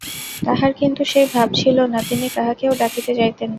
তাঁহার কিন্তু সেই ভাব ছিল না, তিনি কাহাকেও ডাকিতে যাইতেন না।